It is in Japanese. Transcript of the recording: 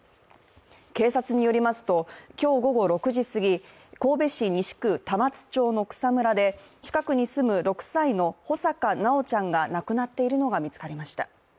警察によりますと、今日午後６時すぎ神戸市西区玉津町の草むらで近くに住む６歳のホサカナオちゃんが亡くなっているのが見つかりました。